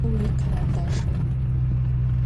Vo vuikarandaşş.